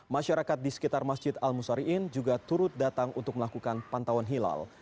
masyarakat di sekitar masjid al musari'in juga turut datang untuk melakukan pantauan hilal